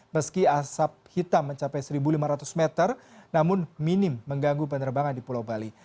meski asap hitam mencapai satu lima ratus meter namun minim mengganggu penerbangan di pulau bali